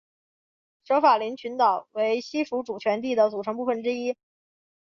舍法林群岛为西属主权地的组成部分之一。